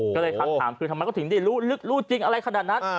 ก็เลยถัดถามคือทำไมก็ถึงรู้จริงอะไรขนาดนั้น